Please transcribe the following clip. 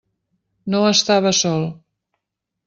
No estava sol.